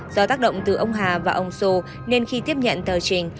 do tác động từ ông hà và ông sô nên khi tiếp nhận tờ trình